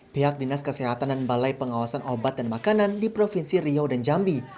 pihak dinas kesehatan dan balai pengawasan obat dan makanan di provinsi riau dan jambi